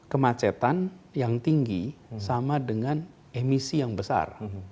kemacetan yang tinggi sama dengan emisi yang besar